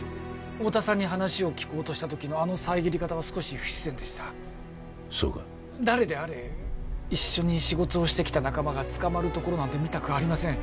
太田さんに話を聞こうとした時のあの遮り方は少し不自然でしたそうか誰であれ一緒に仕事をしてきた仲間が捕まるところなんて見たくありません